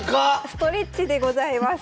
ストレッチでございます。